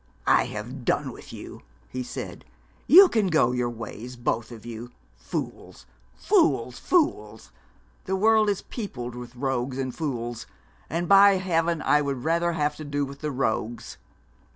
'I have done with you.' he said. 'You can go your ways, both of you. Fools, fools, fools! The world is peopled with rogues and fools; and, by heaven, I would rather have to do with the rogues!'